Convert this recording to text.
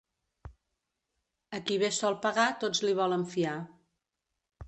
A qui bé sol pagar tots li volen fiar.